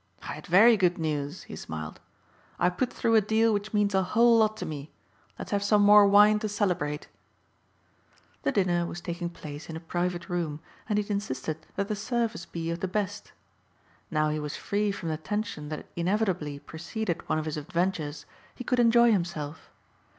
"I had very good news," he smiled, "I put through a deal which means a whole lot to me. Let's have some more wine to celebrate." The dinner was taking place in a private room and he had insisted that the service be of the best. Now he was free from the tension that inevitably preceded one of his adventures he could enjoy himself.